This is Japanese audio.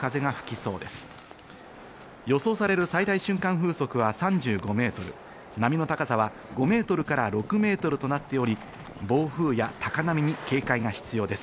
風速は３５メートル、波の高さは５メートルら６メートルとなっており、暴風や高波に警戒が必要です。